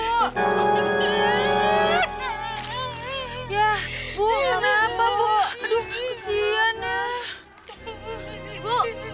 yah ibu kenapa ibu aduh kasihan ah